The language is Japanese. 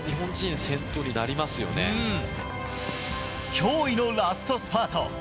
驚異のラストスパート。